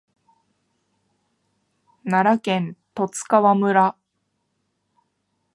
奈良県十津川村